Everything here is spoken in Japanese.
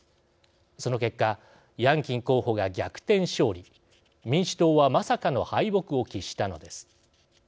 その結果ヤンキン候補が逆転勝利民主党はまさかの敗北を喫したのです。